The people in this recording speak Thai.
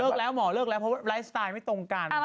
แล้วหมอเลิกแล้วเพราะไลฟ์สไตล์ไม่ตรงกัน